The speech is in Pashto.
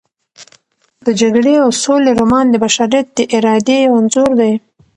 د جګړې او سولې رومان د بشریت د ارادې یو انځور دی.